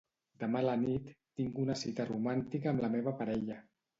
Demà a la nit tinc una cita romàntica amb la meva parella.